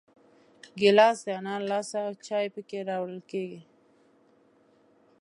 ګیلاس د انا له لاسه چای پکې راوړل کېږي.